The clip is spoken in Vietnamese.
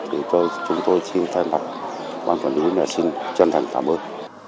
thì cho chúng tôi xin thay mặt công an quận tây hồ này xin chân thành cảm ơn